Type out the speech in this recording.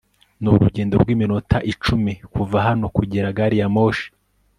ni urugendo rw'iminota icumi kuva hano kugera gariyamoshi